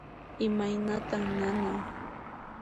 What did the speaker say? Imaynatan nanan?